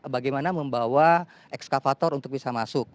bagaimana membawa ekskavator untuk bisa masuk